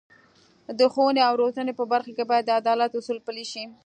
د ښوونې او روزنې په برخه کې باید د عدالت اصول پلي شي.